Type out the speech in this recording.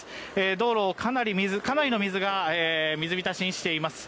道路をかなりの水が水びたしにしています。